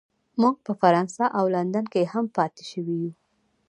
موږ په فرانسه او لندن کې هم پاتې شوي یو